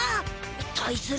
対する